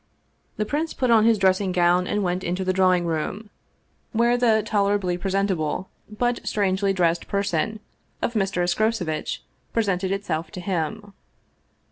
The prince put on his dressing gown and went into the drawing room, where the tolerably presentable but strangely dressed person of Mr. Escrocevitch presented itself to him.